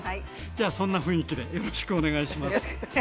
じゃあそんな雰囲気でよろしくお願いします。